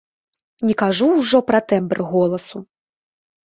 Не кажу ўжо пра тэмбр голасу.